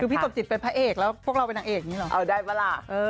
พี่สมจิตเป็นพระเอกแล้วพวกเรามันเป็นนางเอก